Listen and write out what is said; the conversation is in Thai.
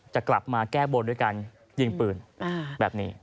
จะกลับมาแก้บนด้วยการยิงปืนแบบนี้